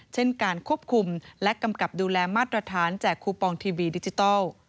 เช่นการควบคุมและกำกับดูแลมาตรฐานแจกคูปองทีวีดิจิทัล